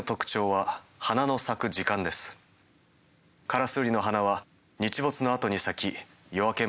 カラスウリの花は日没のあとに咲き夜明け